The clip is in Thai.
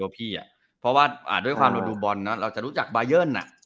เพราะว่าการดูบอลเราจะรู้จักบราเยิ้น